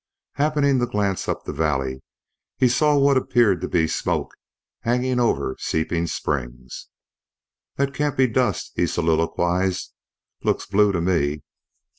Happening to glance up the valley he saw what appeared to be smoke hanging over Seeping Springs. "That can't be dust," he soliloquized. "Looks blue to me."